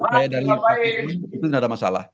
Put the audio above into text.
pada dari pak firman itu gak ada masalah